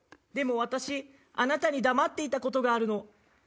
でも私あなたに黙っていたことがあるの。